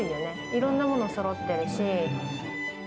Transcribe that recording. いろんなものそろってるし。